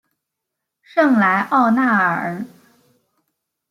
圣莱奥纳尔。